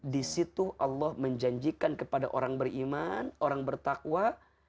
di situ allah menjanjikan kepada orang beriman orang bertakwa